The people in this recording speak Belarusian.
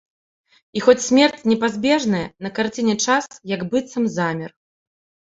І хоць смерць непазбежная, на карціне час як быццам замер.